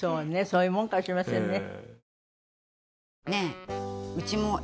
そういうものかもしれませんね。